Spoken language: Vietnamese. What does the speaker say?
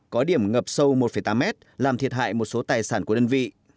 có điểm ngập sâu một tám mét làm thiệt hại một số tài sản của đơn vị